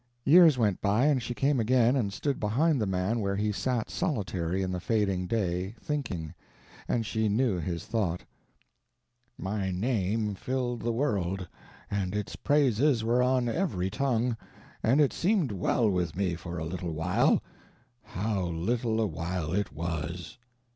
Years went by and she came again, and stood behind the man where he sat solitary in the fading day, thinking. And she knew his thought: "My name filled the world, and its praises were on every tongue, and it seemed well with me for a little while. How little a while it was!